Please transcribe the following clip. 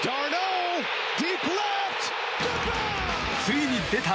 ついに出た！